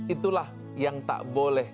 itulah yang tak boleh